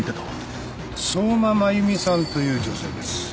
相馬真弓さんという女性です。